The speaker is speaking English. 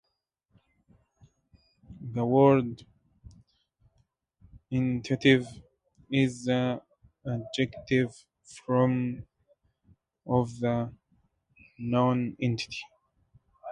The word "entitative" is the adjective form of the noun entity.